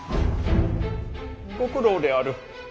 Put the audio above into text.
ご苦労である。